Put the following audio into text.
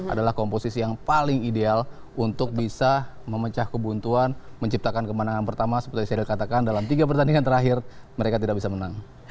adalah komposisi yang paling ideal untuk bisa memecah kebuntuan menciptakan kemenangan pertama seperti saya katakan dalam tiga pertandingan terakhir mereka tidak bisa menang